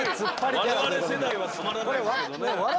我々世代はたまらないですけどね。